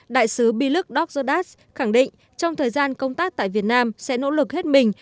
đại sứ biluk dokzodas khẳng định trong thời gian công tác tại việt nam sẽ nỗ lực hết mình